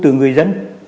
thu từ người dân